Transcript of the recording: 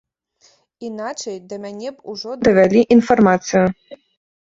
Іначай да мяне б ужо давялі інфармацыю.